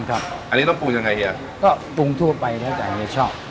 ก้มปรุงจากไหนเหี่ยก็ปรุงทั่วไปได้ใจใช่ไหมชอบ